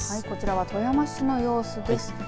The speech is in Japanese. こちらは富山市の様子です。